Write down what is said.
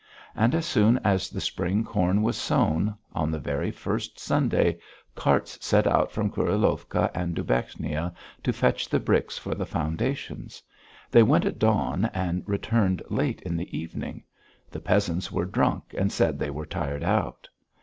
And as soon as the spring corn was sown, on the very first Sunday, carts set out from Kurilovka and Dubechnia to fetch the bricks for the foundations. They went at dawn and returned late in the evening. The peasants were drunk and said they were tired out.